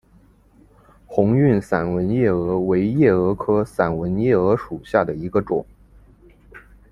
红晕散纹夜蛾为夜蛾科散纹夜蛾属下的一个种。